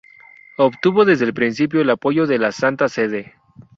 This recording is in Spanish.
Obtuvo desde el principio el apoyo de la Santa Sede.